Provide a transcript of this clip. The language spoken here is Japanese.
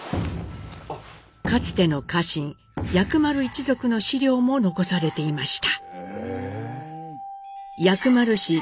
かつての家臣薬丸一族の史料も残されていました。